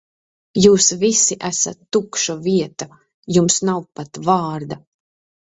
Jūs visi esat tukša vieta, jums nav pat vārda.